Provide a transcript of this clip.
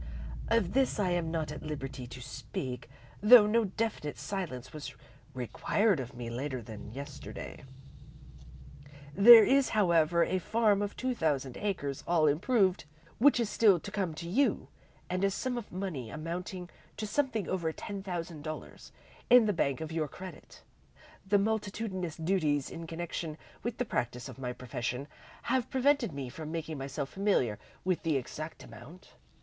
Of this I am not at liberty to speak, though no definite silence was required of me later than yesterday. "There is, however, a farm of two thousand acres, all improved, which is still to come to you, and a sum of money amounting to something over ten thousand dollars, in the bank to your credit. The multitudinous duties in connection with the practice of my profession have prevented me from making myself familiar with the exact amount.